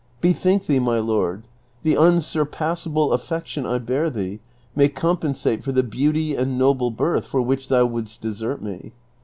Bethink thee, my lord, the unsurpassable affection 1 bear thee may compensate for the beauty and noble birth for which thou wouldst desert me.